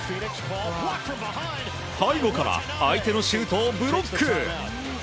背後から相手のシュートをブロック！